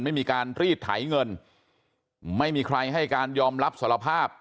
ไม่มีการรีดไถเงินไม่มีใครให้การยอมรับสารภาพ